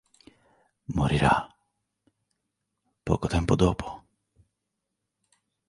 Morirà poco tempo dopo.